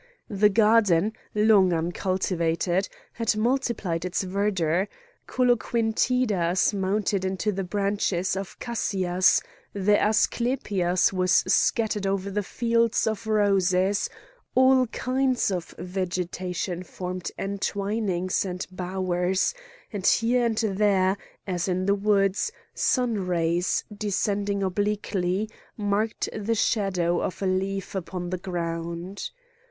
The garden, long uncultivated, had multiplied its verdure; coloquintidas mounted into the branches of cassias, the asclepias was scattered over fields of roses, all kinds of vegetation formed entwinings and bowers; and here and there, as in the woods, sun rays, descending obliquely, marked the shadow of a leaf upon the ground.